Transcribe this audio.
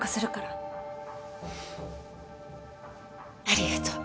ありがとう。